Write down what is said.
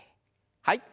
はい。